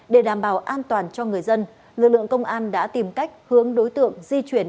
để đảm bảo an toàn cho người dân lực lượng công an đã tìm cách hướng đối tượng di chuyển